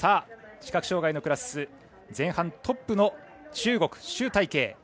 視覚障がいのクラス前半トップの中国、朱大慶。